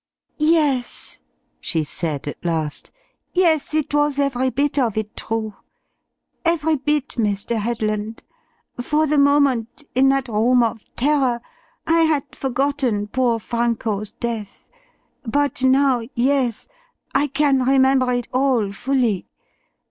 "Yes," she said at last; "yes, it was every bit of it true every bit, Mr. Headland. For the moment, in that room of terror, I had forgotten poor Franco's death. But now yes, I can remember it all fully.